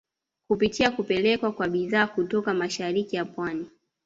Kupitia kupelekwa kwa bidhaa kutoka mashariki ya pwani